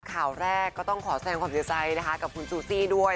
ข่าวแรกก็ต้องขอแสงความเสียใจนะคะกับคุณซูซี่ด้วย